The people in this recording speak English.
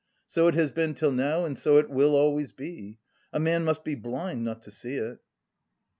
So it has been till now and so it will always be. A man must be blind not to see it!"